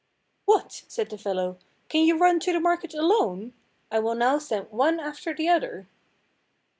"What!" said the fellow, "can you run to the market alone? I will now send one after the other."